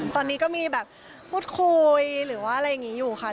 ตอนนี้ก็มีแบบพูดคุยหรือว่าอะไรอย่างนี้อยู่ค่ะ